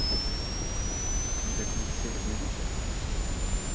Vous agrandissez votre maison ?